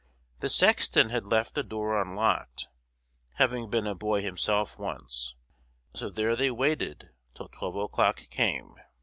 The sexton had left the door unlocked, having been a boy himself once; so there they waited till twelve o'clock came.